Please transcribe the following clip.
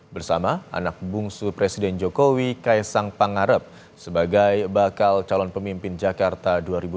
bersama anak bungsu presiden jokowi kaisang pangarep sebagai bakal calon pemimpin jakarta dua ribu dua puluh